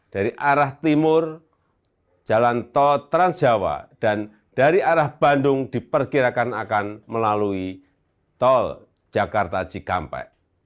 dari arah timur jalan tol transjawa dan dari arah bandung diperkirakan akan melalui tol jakarta cikampek